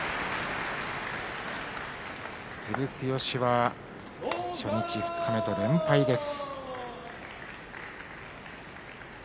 照強は、初日、二日目と連敗です。